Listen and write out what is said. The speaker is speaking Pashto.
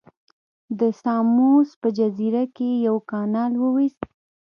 د ساموس په جزیره کې یې یو کانال وویست.